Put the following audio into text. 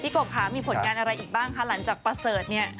กบค่ะมีผลงานอะไรอีกบ้างคะหลังจากประเสริฐเนี่ย